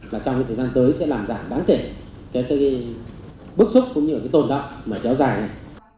và trong thời gian tới sẽ làm giảm đáng kể bức xúc cũng như tồn động mà kéo dài